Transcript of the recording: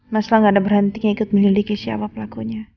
mas al gak ada berhenti ikut menyelidiki siapa pelakunya